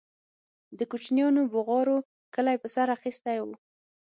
د كوچنيانو بوغارو كلى په سر اخيستى و.